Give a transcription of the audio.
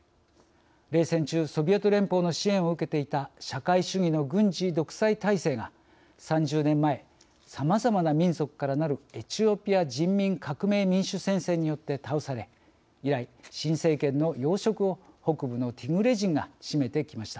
冷戦中ソビエト連邦の支援を受けていた社会主義の軍事独裁体制が３０年前さまざまな民族からなるエチオピア人民革命民主戦線によって倒され以来新政権の要職を北部のティグレ人が占めてきました。